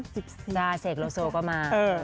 ได้เศษโลโซก็มา